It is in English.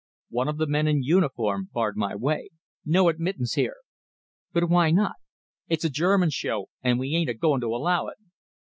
One of the men in uniform barred my way. "No admittance here!" "But why not?" "It's a German show, and we aint a goin' to allow it."